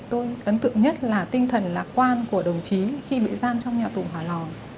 tôi ấn tượng nhất là tinh thần lạc quan của đồng chí khi bị giam trong nhà tù hòa lò